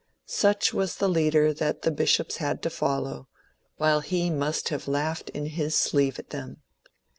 Such was the leader that the bishops had to follow, while he must have laughed in his sleeve at them.